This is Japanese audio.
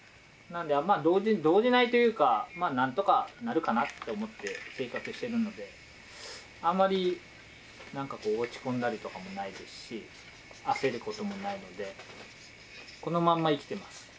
なので動じないというかなんとかなるかなと思って生活してるのであんまりなんかこう落ち込んだりとかもないですし焦ることもないのでこのまんま生きてます。